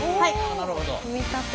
組み立て。